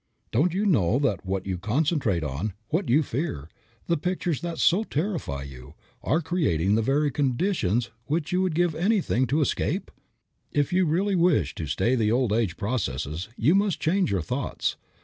Don't you know that what you concentrate on, what you fear, the pictures that so terrify you, are creating the very conditions which you would give anything to escape? If you really wish to stay the old age processes you must change your thoughts.